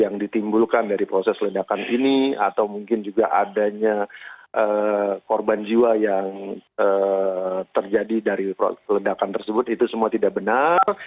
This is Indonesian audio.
yang ditimbulkan dari proses ledakan ini atau mungkin juga adanya korban jiwa yang terjadi dari ledakan tersebut itu semua tidak benar